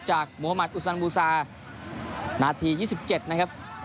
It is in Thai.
จากมุมแทบอุษันบูซานาที๒๗นะครับ